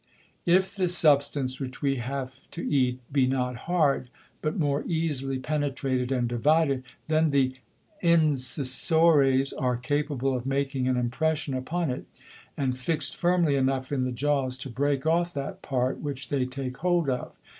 If the Substance, which we have to eat, be not hard, but more easily penetrated and divided, then the Incisores are capable of making an Impression upon it, and fix'd firmly enough in the Jaws to break off that part which they take hold of.